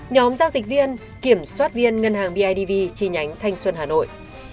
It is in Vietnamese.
nhóm giao dịch viên kiểm soát viên ngân hàng bidv chi nhánh thanh xuân hà nội